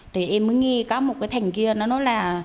thì em mới nghe có một cái thằng kia nó nói là